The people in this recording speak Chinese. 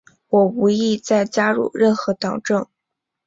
我无意再加入任何政党。